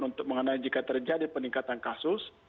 untuk mengenai jika terjadi peningkatan kasus